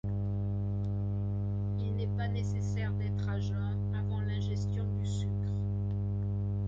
Il n'est pas nécessaire d'être à jeun avant l'ingestion du sucre.